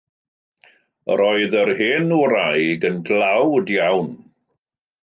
Yr oedd yr hen wraig yn dlawd iawn.